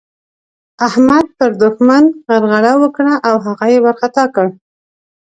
احمد پر دوښمن غرغړه وکړه او هغه يې وارخطا کړ.